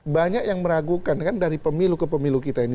banyak yang meragukan kan dari pemilu ke pemilu kita ini